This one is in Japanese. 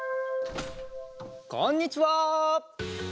こんにちは！